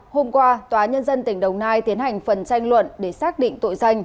hôm qua tòa nhân dân tỉnh đồng nai tiến hành phần tranh luận để xác định tội danh